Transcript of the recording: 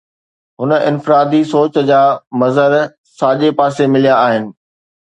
هن افراتفري سوچ جا مظهر ساڄي پاسي مليا آهن